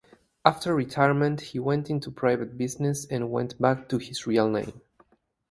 After retirement, he went into private business and went back to his real name.